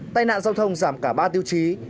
tai nạn giao thông giảm cả ba tiêu chí